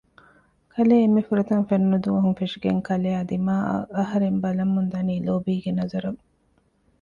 ކަލޭ އެންމެ ފުރަތަމަ ފެނުނު ދުވަހުން ފެށިގެން ކަލެއާ ދިމާއަށް އަހަރެން ބަލަމުންދަނީ ލޯބީގެ ނަޒަރުން